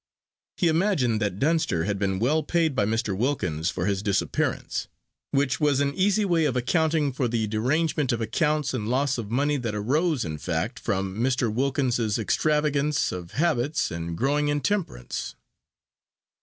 He imagined that Dunster had been well paid by Mr. Wilkins for his disappearance, which was an easy way of accounting for the derangement of accounts and loss of money that arose, in fact, from Mr. Wilkins's extravagance of habits and growing intemperance.